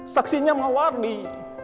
saksinya mawar nih